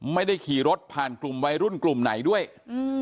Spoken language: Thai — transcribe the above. ไม่ได้ขี่รถผ่านกลุ่มวัยรุ่นกลุ่มไหนด้วยอืม